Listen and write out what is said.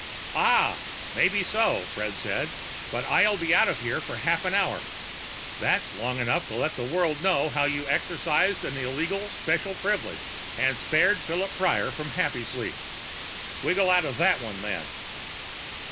"Ah! Maybe so," Fred said. "But I'll be out of here for half an hour. That's long enough to let the world know how you exercised an illegal special privilege and spared Philip Prior from Happysleep. Wiggle out of that one, then."